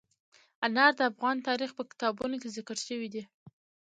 انار د افغان تاریخ په کتابونو کې ذکر شوی دي.